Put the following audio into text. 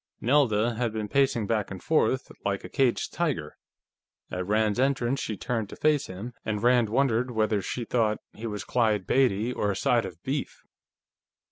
Nelda had been pacing back and forth like a caged tiger; at Rand's entrance, she turned to face him, and Rand wondered whether she thought he was Clyde Beatty or a side of beef.